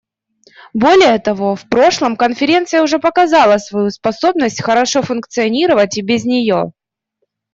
Более того, в прошлом Конференция уже показала свою способность хорошо функционировать и без нее.